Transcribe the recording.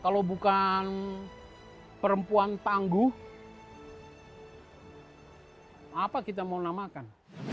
kalau bukan perempuan tangguh apa kita mau namakan